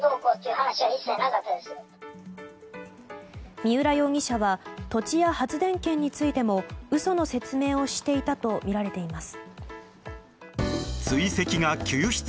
三浦容疑者は土地や発電権についても嘘の説明をしていたとみられています。